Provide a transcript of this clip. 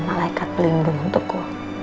malaikat pelindung untukku